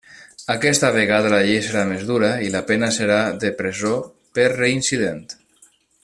Aquesta vegada la llei serà més dura i la pena serà la presó per reincident.